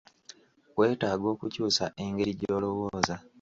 Weetaaga okukyusa engeri gy'olowooza.